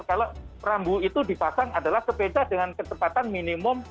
kalau rambu itu dipasang adalah sepeda dengan kecepatan minimum